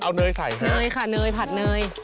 เอาเนยใส่เนยค่ะเนยผัดเนย